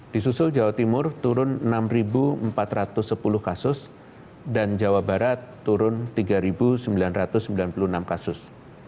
di susul jawa timur turun enam empat ratus sepuluh kasus dan jawa barat turun tiga sembilan ratus sembilan puluh enam kasus